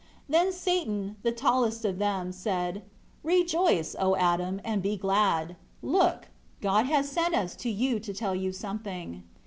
5 Then Satan, the tallest of them, said, "Rejoice, O Adam, and be glad. Look, God has sent us to you to tell you something."